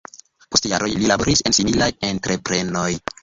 Post jaroj li laboris en similaj entreprenoj.